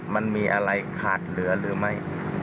มันมีอะไรขาดเหลือหรือไม่